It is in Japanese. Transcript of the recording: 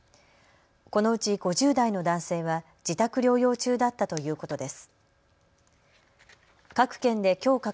このうち５０代の男性は自宅療養中だったということです。